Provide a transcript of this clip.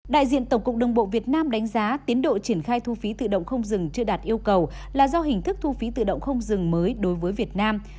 đại diện tổng cục đồng bộ việt nam đánh giá tiến độ triển khai thu phí tự động không dừng chưa đạt yêu cầu là do hình thức thu phí tự động không dừng mới đối với việt nam